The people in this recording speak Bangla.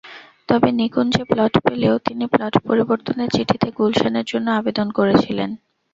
তবে নিকুঞ্জে প্লট পেলেও তিনি প্লট পরিবর্তনের চিঠিতে গুলশানের জন্য আবেদন করেছিলেন।